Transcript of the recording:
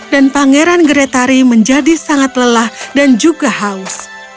dan pangeran geretari menjadi sangat lelah dan juga haus